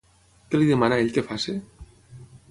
Què li demana ell que faci?